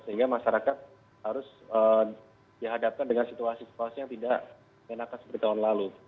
sehingga masyarakat harus dihadapkan dengan situasi situasi yang tidak enakan seperti tahun lalu